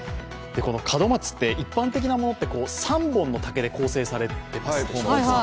この門松って、一般的なものっ３本の竹で構成されてますよね。